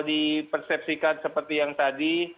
dipersepsikan seperti yang tadi